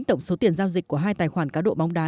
tổng số tiền giao dịch của hai tài khoản cá độ bóng đá